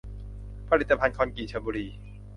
ผลิตภัณฑ์คอนกรีตชลบุรี